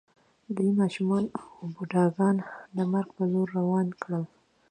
دوی ماشومان او بوډاګان د مرګ په لور روان کړل